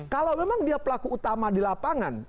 kalau memang dia pelaku utama di lapangan